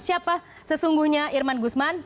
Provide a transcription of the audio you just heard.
siapa sesungguhnya irman gusman